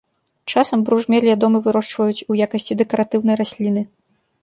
Часам бружмель ядомы вырошчваюць у якасці дэкаратыўнай расліны.